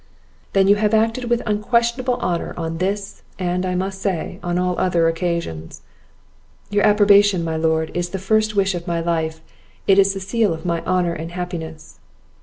"Then you have acted with unquestionable honour on this, and, I must say, on all other occasions." "Your approbation, my lord, is the first wish of my life; it is the seal of my honour and happiness."